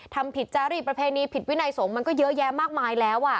ทำผิดจารีประเพณีผิดวินัยสงฆ์มันก็เยอะแยะมากมายแล้ว